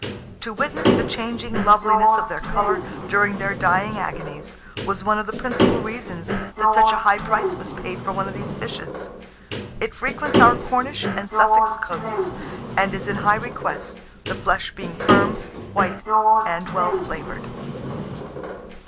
To witness the changing loveliness of their colour during their dying agonies, was one of the principal reasons that such a high price was paid for one of these fishes. It frequents our Cornish and Sussex coasts, and is in high request, the flesh being firm, white, and well flavoured.